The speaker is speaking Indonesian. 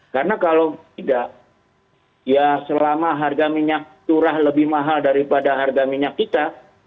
karena kalau tidak ya selama harga minyak curah lebih mahal daripada harga minyak kita